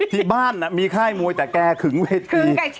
ที่บ้านมีค่ายมวยแต่แกขึงเวที